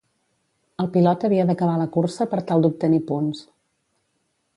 El pilot havia d'acabar la cursa per tal d'obtenir punts.